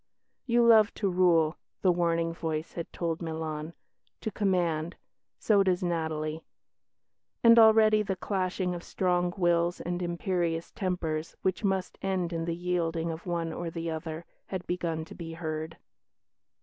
"You love to rule," the warning voice had told Milan "to command. So does Natalie"; and already the clashing of strong wills and imperious tempers, which must end in the yielding of one or the other, had begun to be heard.